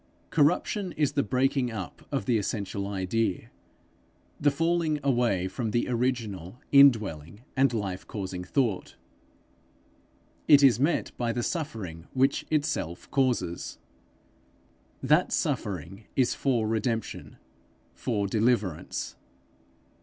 Corruption is the breaking up of the essential idea; the falling away from the original indwelling and life causing thought. It is met by the suffering which itself causes. That suffering is for redemption, for deliverance.